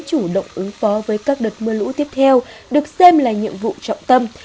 chủ động ứng phó với các đợt mưa lũ tiếp theo được xem là nhiệm vụ trọng tâm